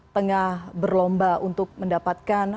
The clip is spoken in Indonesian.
tengah berlomba untuk mendapatkan